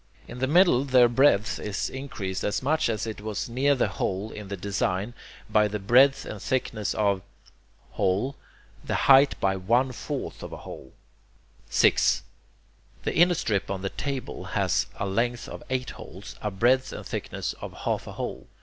In the middle their breadth is increased as much as it was near the hole in the design, by the breadth and thickness of... hole; the height by one fourth of a hole. 6. The (inner) strip on the "table" has a length of eight holes, a breadth and thickness of half a hole.